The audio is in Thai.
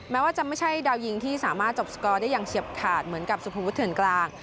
แม้ว่าจะไม่ใช่ดาวยิงที่สามารถจบสกอร์ได้อย่างเฉียบขาดเหมือนกับสุภวุฒเถื่อนกลาง